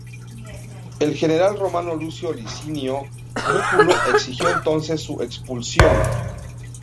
El general romano Lucio Licinio Lúculo exigió entonces su expulsión.